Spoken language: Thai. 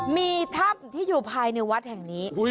มีถ้ำที่อยู่ภายในวัดแห่งนี้